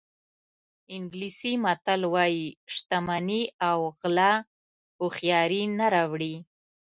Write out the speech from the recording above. انګلیسي متل وایي شتمني او غلا هوښیاري نه راوړي.